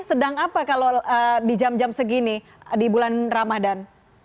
sedang apa kalau di jam jam segini di bulan ramadan